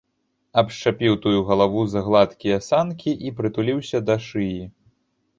Абшчапіў тую галаву за гладкія санкі і прытуліўся да шыі.